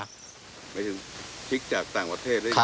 หมายถึงพริกจากต่างประเทศได้ยังไงครับ